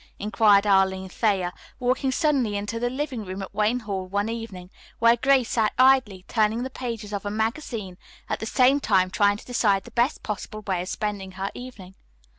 inquired Arline Thayer, walking suddenly into the living room at Wayne Hall one evening, where Grace sat idly turning the pages of a magazine, at the same time trying to decide the best possible way of spending her evening.